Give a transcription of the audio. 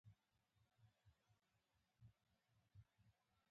دوی له ځايي خلکو سره واده وکړ